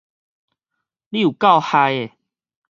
你有夠害